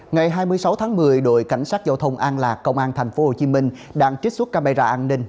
ngày hai mươi sáu tháng một mươi đội cảnh sát giao thông an lạc công an tp hcm đang trích xuất camera an ninh